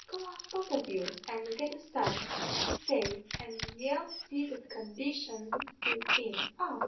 Go out both of you, an' look at the sun, I say, and ye'll see the condition he's in off!'